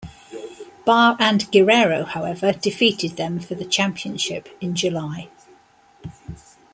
Barr and Guerrero, however, defeated them for the championship in July.